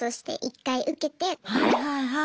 はいはいはい。